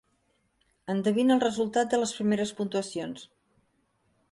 Endevina el resultat de les primeres puntuacions.